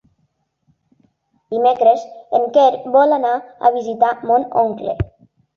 Dimecres en Quer vol anar a visitar mon oncle.